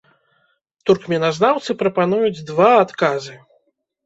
Туркменазнаўцы прапануюць два адказы.